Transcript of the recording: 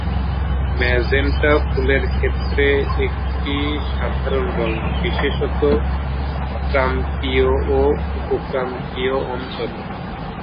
Magenta ফুলের ক্ষেত্রে একটি সাধারণ রঙ, বিশেষত ক্রান্তীয় ও উপক্রান্তীয় অঞ্চলে।